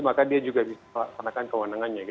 maka dia juga bisa melaksanakan kewenangannya